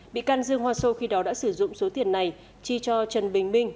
bị can dương hoa sô khi đó đã sử dụng số tiền này chi cho trần bình minh